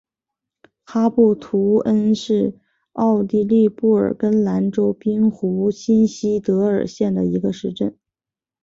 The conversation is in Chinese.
哈布图恩是奥地利布尔根兰州滨湖新锡德尔县的一个市镇。